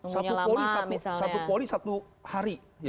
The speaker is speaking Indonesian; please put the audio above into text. satu poli satu hari